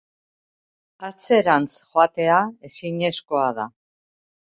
Atzerantz joatea ezinezkoa da.